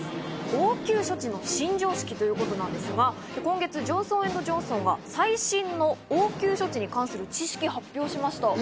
応急処置の新常識ということなんですが、今月ジョンソン・エンド・ジョンソンが最新の応急処置に関する知識を発表しました。